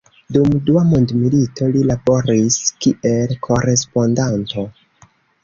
Dum Dua mondmilito li laboris kiel korespondanto.